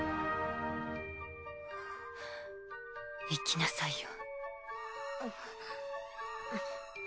行きなさいよ。